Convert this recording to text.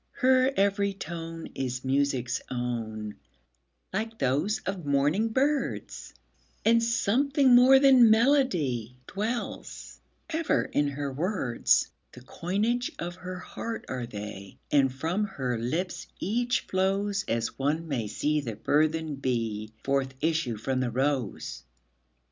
Her every tone is music's own, like those of morning birds, And something more than melody dwells ever in her words; The coinage of her heart are they, and from her lips each flowsAs one may see the burthened bee forth issue from the rose.